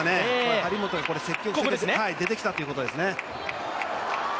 張本積極的に出てきたということですね。